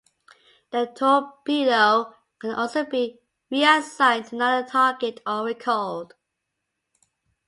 The torpedo can also be reassigned to another target or recalled.